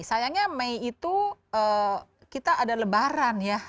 sayangnya mei itu kita ada lebaran ya